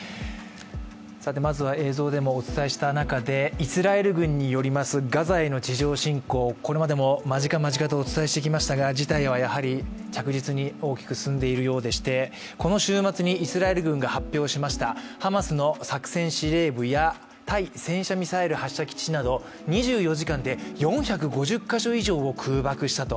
さてまずは映像でもお伝えした中でイスラエル軍によるガザへの地上侵攻、これまでも間近、間近とお伝えしてきましたが事態はやはり、着実に大きく進んでいるようでしてこの週末にイスラエル軍が発表しましたハマスの作戦司令部や対戦車ミサイル発射基地など２４時間で４５０か所以上を空爆したと。